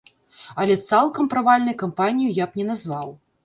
Але цалкам правальнай кампанію я б не назваў.